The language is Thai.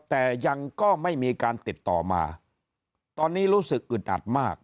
แต่ยังก็ไม่มีการติดต่อมาตอนนี้รู้สึกอึดอัดมาก